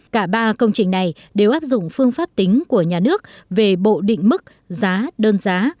cả ba công trình này đều áp dụng phương pháp tính của nhà nước về bộ định mức giá đơn giá